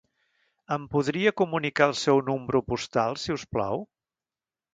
Em podria comunicar el seu número postal, si us plau?